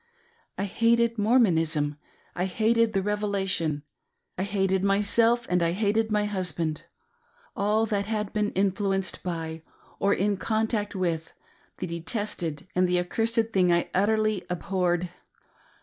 I hated Mormonism, I hated the Revelation. I hated myself, and I hated my hus tand. All that had been influenced by, or in contact with, the detested and accursed thing I utterly abhorred.